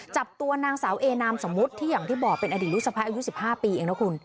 จับตัวนางสาวเอนามสมมุติที่อย่างที่บอกเป็นอดีตลูกสะพ้ายอายุ๑๕ปีเองนะคุณ